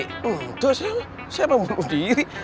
entar sayang saya mau bunuh diri